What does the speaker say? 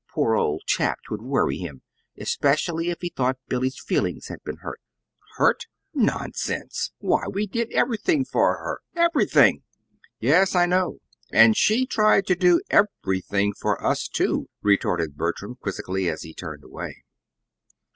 Poor old chap, 'twould worry him, specially if he thought Billy's feelings had been hurt." "Hurt? nonsense! Why, we did everything for her everything!" "Yes, I know and she tried to do EVERYTHING for us, too," retorted Bertram, quizzically, as he turned away.